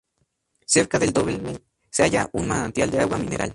Cerca del dolmen se halla un manantial de agua mineral.